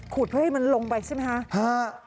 เพื่อให้มันลงไปใช่ไหมคะ